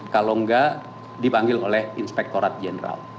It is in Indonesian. kalau enggak dipanggil oleh inspektorat jenderal